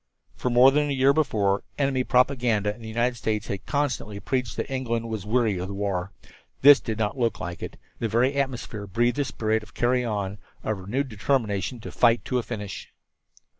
For more than a year before, enemy propaganda in the United States had constantly preached that England was weary of the war. This did not look like it. The very atmosphere breathed the spirit of "carry on," of renewed determination to fight to a finish.